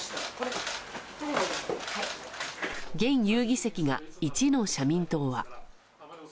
現有議席が１の社民党は。